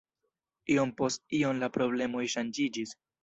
Iom post iom la problemoj ŝanĝiĝis.